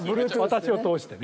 私を通してね。